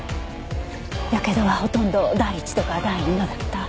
やけどはほとんど第１度か第２度だった。